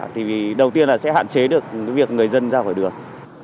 thì đầu tiên là sẽ hạn chế được việc người dân ra khỏi đường